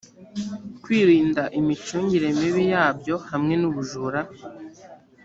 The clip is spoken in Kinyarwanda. kwirinda imicungire mibi yabyo hamwe n ubujura